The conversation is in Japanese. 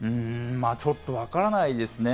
ちょっとわからないですね。